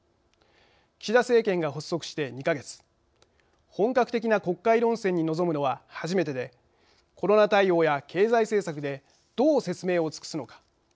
岸田政権が発足して２か月本格的な国会論戦に臨むのは初めてでコロナ対応や経済政策でどう説明を尽くすのか。